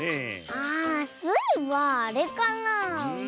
あスイはあれかなあ。